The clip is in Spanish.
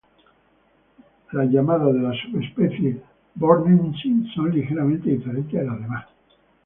Las llamadas de la subespecie "borneensis" son ligeramente diferentes de las demás.